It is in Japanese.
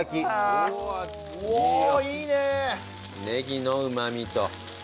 ねぎのうまみと。